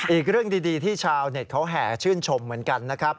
อีกเรื่องดีที่ชาวเน็ตเขาแห่ชื่นชมเหมือนกันนะครับ